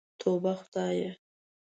توبه خدايه.